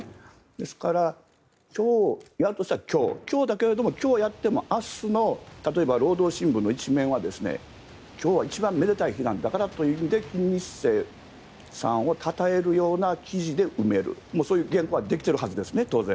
ですからやるとしたら今日だけど今日やっても明日の例えば、労働新聞の１面は今日は一番めでたい日なんだからということで金日成さんをたたえるような記事でそういう原稿はできているはずです、当然。